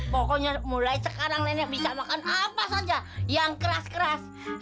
pokoknya mulai sekarang nenek bisa makan apa saja yang keras keras